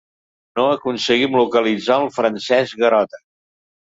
No aconseguim localitzar al Francesc Garota.